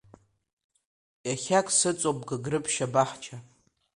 Иахьак сыҵоуп Гагрыԥшь абаҳча…